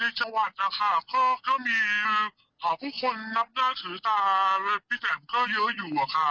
ก็มีห่าวพวกคนนับหน้าถือตาพี่แดมก็เยอะอยู่